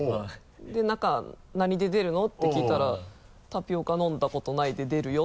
で何か「なにで出るの？」って聞いたら「タピオカ飲んだことないで出るよ」